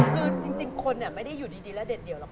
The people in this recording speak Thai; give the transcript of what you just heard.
คือจริงคนไม่ได้อยู่ดีแล้วเด็ดเดียวหรอก